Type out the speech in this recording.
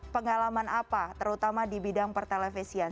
pengalaman apa terutama di bidang pertelevisian